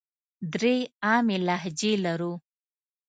درې عامې لهجې لرو.